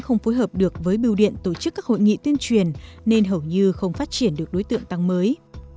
không phối hợp được với biêu điện tổ chức các hội nghị tuyên truyền nên hầu như không phát triển được đối tượng tăng mới